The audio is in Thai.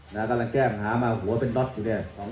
กำลังแก้ปัญหามาหัวเป็นน็อตอยู่เนี่ย